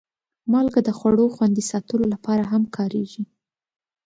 مالګه د خوړو خوندي ساتلو لپاره هم کارېږي.